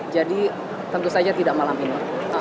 jadi tentu saja tidak malam ini